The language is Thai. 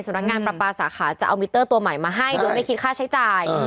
นักงานประปาสาขาจะเอามิเตอร์ตัวใหม่มาให้โดยไม่คิดค่าใช้จ่าย